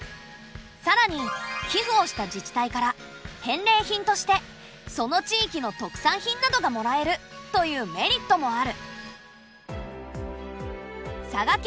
さらに寄付をした自治体から返礼品としてその地域の特産品などがもらえるというメリットもある。